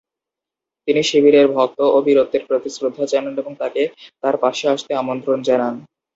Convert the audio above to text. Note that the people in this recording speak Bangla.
তিনি শিবিরের ভক্ত ও বীরত্বের প্রতি শ্রদ্ধা জানান এবং তাকে তার পাশে আসতে আমন্ত্রণ জানান।